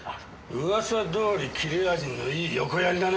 噂どおり切れ味のいい横槍だな。